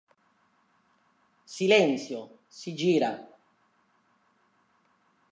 Silenzio, si gira!